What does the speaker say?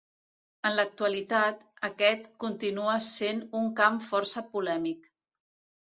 En l'actualitat, aquest continua sent un camp força polèmic.